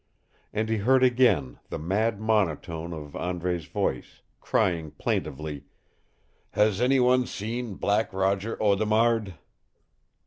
And he heard again the mad monotone of Andre's voice, crying plaintively, "HAS ANY ONE SEEN BLACK ROGER AUDEMARD?"